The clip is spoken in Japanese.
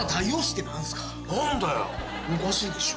おかしいでしょ。